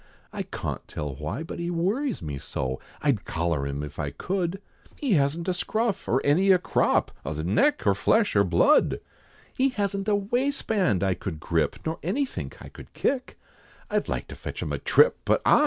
I cawnt tell why, but he worry's me so, I'd collar him if I could, He hasn't a scruff, or any a crop, O' the neck, or flesh or blood, He hasn't a waistband, I could grip, Nor anythink I could kick, I'd like to fetch him a trip, but ah!